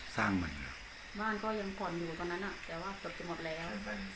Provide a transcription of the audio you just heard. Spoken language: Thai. บ้านก็ยังผ่อนอยู่ตอนนั้นแต่ว่าสรุปจะหมดแล้ว